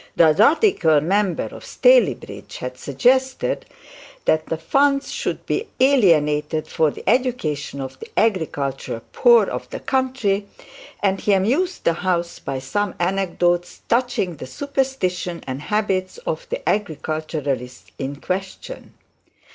The radical member for Staleybridge had suggested that the funds should be alienated for the education of the agricultural poor of the country, and he amused the House by some anecdotes touching the superstition and habits of the agriculturists in question.